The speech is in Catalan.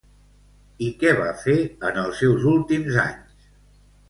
I què va fer en els seus últims anys?